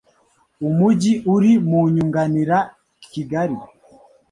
umujyi uri mu yunganira Kigali